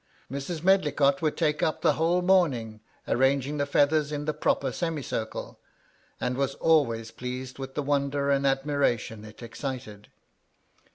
Mrs. Medlicott would take up the whole morn ing arranging the feathers in the proper semicircle, and was always pleased with the wonder and admira tion it excited.